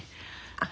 あっ。